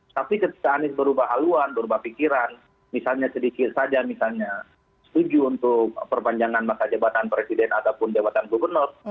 tapi ketika anies berubah haluan berubah pikiran misalnya sedikit saja misalnya setuju untuk perpanjangan masa jabatan presiden ataupun jabatan gubernur